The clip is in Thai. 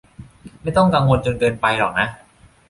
ไม่ต้องกังวลจนเกินไปหรอกนะ